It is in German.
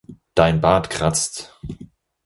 Dein Bart kratzt!